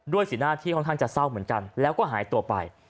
สีหน้าที่ค่อนข้างจะเศร้าเหมือนกันแล้วก็หายตัวไป